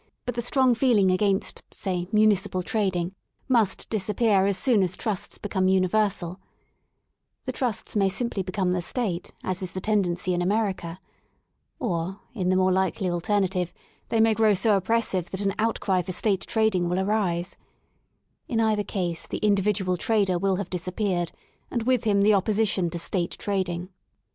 But the strong feeling against say Municipal Trading must disappear as soon as Trusts become universaU The Trusts may simply become the State as is the tendency in America, Or in the more likely alternative they may g^row so oppressive that an out cry for State Trading will arise* In either case the individual trader will have disappeared ^ and with him the opposition to State Trading.